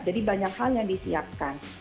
jadi banyak hal yang disiapkan